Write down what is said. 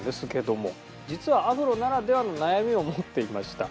実はアフロならではの悩みを持っていました。